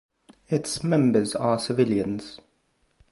Its members are civilians.